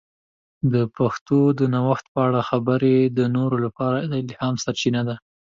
د پښتو د نوښت په اړه خبرې د نورو لپاره د الهام سرچینه ده.